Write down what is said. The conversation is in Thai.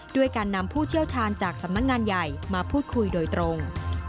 ด้วยการนำผู้เชี่ยวชาญจากสำนักงานใหญ่มาพูดคุยโดยตรง